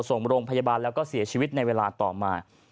ส่งโรงพยาบาลแล้วก็เสียชีวิตในเวลาต่อมา